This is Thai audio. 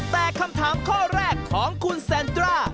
แต่คำถามข้อแรกของคุณแซนตรา